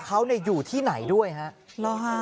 เขาอยู่ที่ไหนด้วยฮะหรอฮะ